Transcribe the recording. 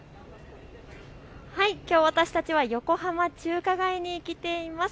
きょうは私たちは横浜中華街に来ています。